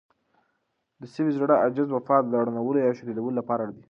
د سوي زړه، عجز، وفا د رڼولو يا شديدولو لپاره دي.